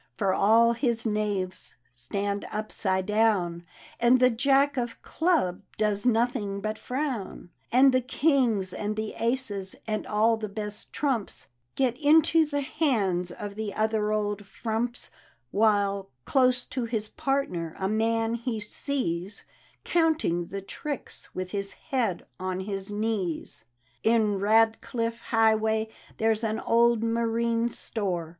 For all his knaves stand upside down, And the Jack of Clubs docs nothing but frown; And the Kings and the Aces, and all the best trumps Get into the hands of the other old frumps; While, close to his partner, a man he sees Counting the tricks with his head on his knees. In Ratdiflc Highway there's an old marine store.